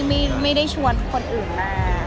ไม่ได้ชวนคนอื่นมา